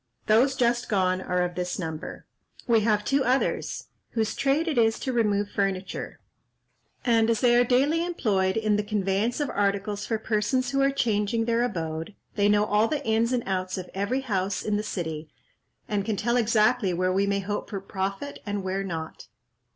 Those just gone are of this number. We have two others, whose trade it is to remove furniture; and as they are daily employed in the conveyance of articles for persons who are changing their abode, they know all the ins and outs of every house in the city, and can tell exactly where we may hope for profit and where not."